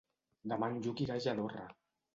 Demà en Lluc irà a Lladorre.